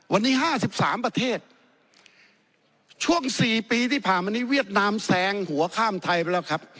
วันนี้ห้าสิบสามประเทศช่วง๔ปีที่ผ่านมานี้เวียดนามแซงหัวข้ามไทยไปแล้วครับ